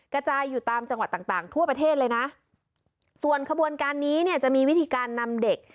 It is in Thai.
กระจายอยู่ตามจังหวัดต่างต่างทั่วประเทศเลยนะส่วนขบวนการนี้เนี่ยจะมีวิธีการนำเด็ก